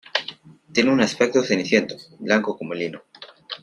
Tiene un aspecto ceniciento, blanco como el lino.